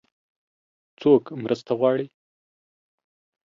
څوک مرسته غواړي؟